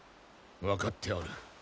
分かっておる。